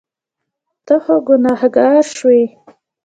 ته خو ګناهګار شوې.